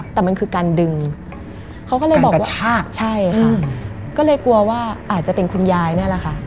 แต่มันคือการดึงเขาก็เลยบอกว่าใช่ค่ะก็เลยกลัวว่าอาจจะเป็นคุณยายนี่แหละค่ะ